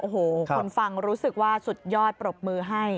โอ้โหคนฟังรู้สึกว่าสุดยอดปรบมือให้